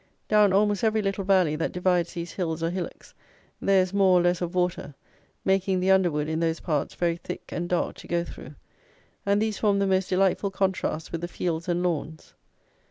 Down almost every little valley that divides these hills or hillocks, there is more or less of water, making the underwood, in those parts, very thick, and dark to go through; and these form the most delightful contrast with the fields and lawns.